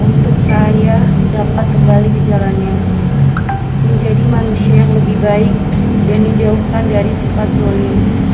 untuk saya dapat kembali ke jalannya menjadi manusia yang lebih baik dan dijauhkan dari sifat zolim